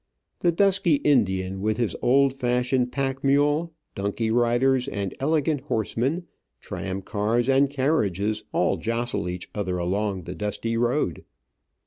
The dusky Indian with his old fashioned pack mule, donkey riders and elegant horsemen, tram cars and carriages, all jostle each other along the dusty road.